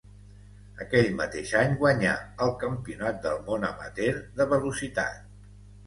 Aquell mateix any guanyà el Campionat del món amateur de velocitat.